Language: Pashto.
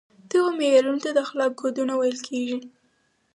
دغو معیارونو ته د اخلاقو کودونه ویل کیږي.